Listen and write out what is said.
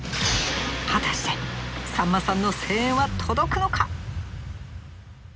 果たしてさんまさんの声援は届くのか。